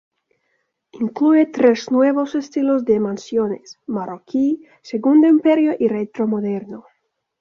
Incluye tres nuevos estilos de mansiones: "Marroquí", "Segundo Imperio" y "Retro Moderno".